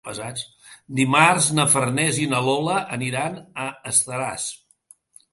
Dimarts na Farners i na Lola aniran a Estaràs.